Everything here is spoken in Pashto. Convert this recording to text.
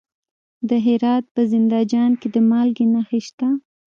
د هرات په زنده جان کې د مالګې نښې شته.